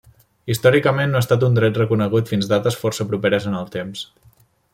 Històricament, no ha estat un dret reconegut fins dates força properes en el temps.